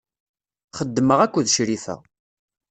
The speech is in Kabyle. Xeddmeɣ akked Crifa.